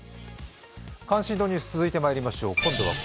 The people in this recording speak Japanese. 関心度ニュース続いてまいりましょう。